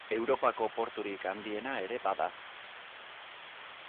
Europako porturik handiena ere bada.